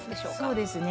そうですね。